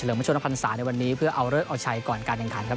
วันเฉริญมะชุณพันศาในวันนี้เพื่อเอาเลิกเอาชัยก่อนการแบ่งการครับ